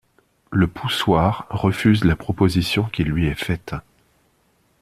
Le Poussoir refuse la proposition qui lui est faite.